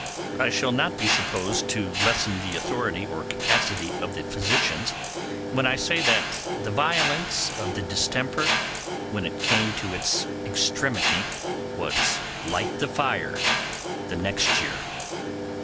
I shall not be supposed to lessen the authority or capacity of the physicians when I say that the violence of the distemper, when it came to its extremity, was like the fire the next year.